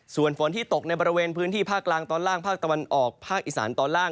ส่วนฝนที่ตกในบริเวณพื้นที่ภาคกลางตอนล่างภาคตะวันออกภาคอีสานตอนล่าง